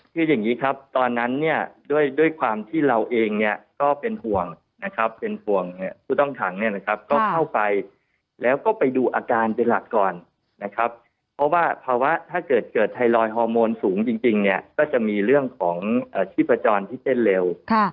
คืออย่างนี้ครับตอนนั้นเนี่ยด้วยความที่เราเองเนี่ยก็เป็นห่วงนะครับเป็นห่วงผู้ต้องขังเนี่ยนะครับก็เข้าไปแล้วก็ไปดูอาการเป็นหลักก่อนนะครับเพราะว่าภาวะถ้าเกิดเกิดไทรอยดอร์โมนสูงจริงเนี่ยก็จะมีเรื่องของชีพจรที่เต้นเร็ว